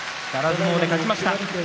相撲で勝ちました。